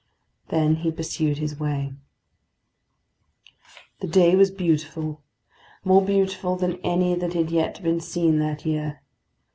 Then he pursued his way. The day was beautiful; more beautiful than any that had yet been seen that year.